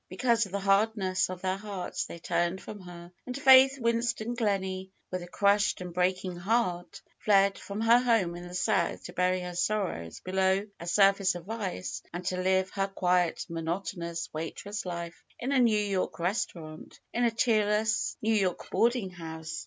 Be cause of the hardness of their hearts they turned from her. And Faith Winston Gleney, with a crushed and breaking heart, fled from her home in the south to bury her sorrows below a surface of ice and to live her quiet, monotonous waitress life in a New York res taurant, and in a cheerless New York hoarding house.